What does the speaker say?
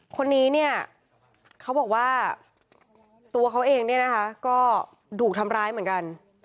คนนี้เนี่ยเขาบอกว่าตัวเขาเองเนี่ยนะคะก็ถูกทำร้ายเหมือนกัน